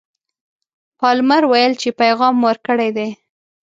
پالمر ویل چې پیغام ورکړی دی.